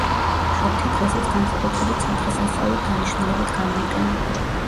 შოთი დღესაც განსაკუთრებით სადღესასწაულო დანიშნულებით გამოიყენება.